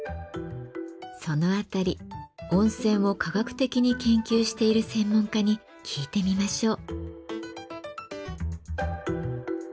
その辺り温泉を科学的に研究している専門家に聞いてみましょう。